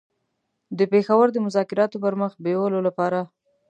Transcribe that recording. د پېښور د مذاکراتو د پر مخ بېولو لپاره.